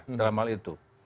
ya dalam hal itu